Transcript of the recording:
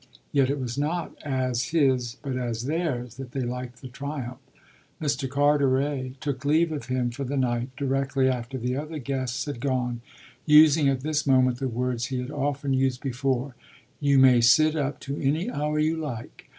Yet it was not as his but as theirs that they liked the triumph. Mr. Carteret took leave of him for the night directly after the other guests had gone, using at this moment the words he had often used before: "You may sit up to any hour you like.